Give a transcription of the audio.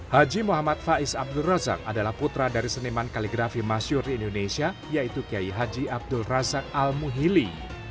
haji muhammad faiz abdul razak adalah putra dari seniman kaligrafi masyur di indonesia yaitu kiai haji abdul razak al muhili